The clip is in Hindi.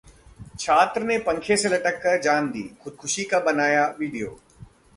छात्र ने पंखे से लटककर जान दी, खुदकुशी का बनाया वीडियो